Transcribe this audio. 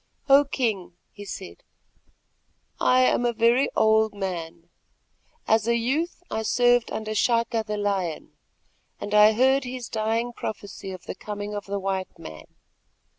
"O King," he said, "I am a very old man; as a youth I served under Chaka the Lion, and I heard his dying prophecy of the coming of the white man.